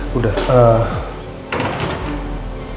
sudah siap pak